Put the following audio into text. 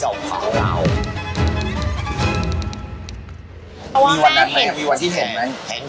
เห็นด้วยตาตัวเอง